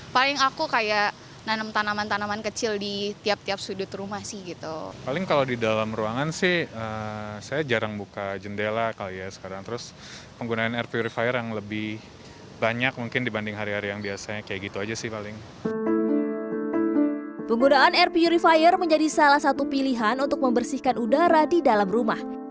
penggunaan air purifier menjadi salah satu pilihan untuk membersihkan udara di dalam rumah